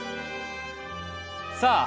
さあ、